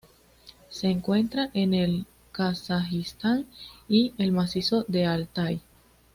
Se encuentra en el Kazajistán y el macizo de Altai.